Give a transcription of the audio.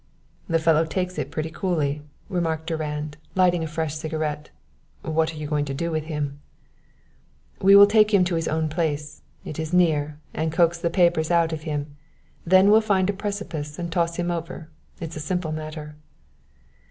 "The fellow takes it pretty coolly," remarked Durand, lighting a fresh cigarette. "What are you going to do with him ?" "We will take him to his own place it is near and coax the papers out of him; then we'll find a precipice and toss him over. It is a simple matter."